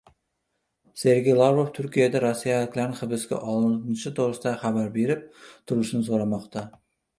Sergey Lavrov Turkiyada rossiyaliklarning hibsga olinishi to‘g‘risida xabar berib turilishini so‘ramoqda